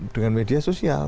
dengan media sosial